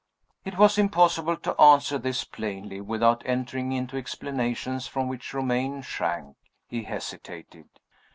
It was impossible to answer this plainly without entering into explanations from which Romayne shrank. He hesitated.